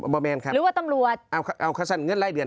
มาแมนครับหรือว่าตำรวจเอาเอาสั้นเงินรายเดือน